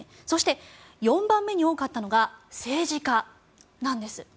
そして４番目に多かったのが政治家なんです。